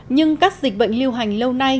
nhưng các dịch bệnh lưu hành lâu nay